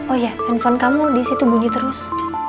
oh iya handphone kamu disitu bunyi terus